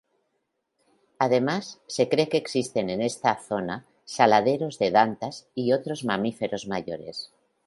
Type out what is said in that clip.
Además, se cree existen en esta zona saladeros de dantas y otros mamíferos mayores.